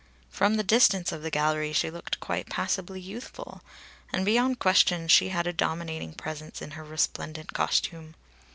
From the distance of the gallery she looked quite passably youthful, and beyond question she had a dominating presence in her resplendent costume.